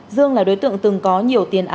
dương là đối tượng từng có nhiều tiền án